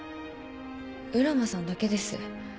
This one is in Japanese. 浦真さんだけです。